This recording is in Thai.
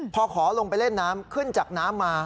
พอขอลงไปเล่นน้ำขึ้นจากน้ำมา